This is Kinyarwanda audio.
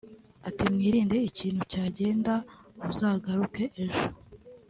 Ati “Mwirinde ikintu cya genda uzagaruke ejo